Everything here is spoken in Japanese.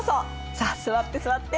さあ座って座って。